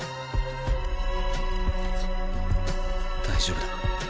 大丈夫だ。